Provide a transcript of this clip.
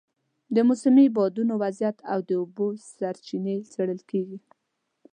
د موسمي بادونو وضعیت او د اوبو سرچینې څېړل کېږي.